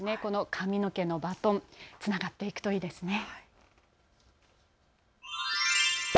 髪の毛のバトン、つながっていくといいですね。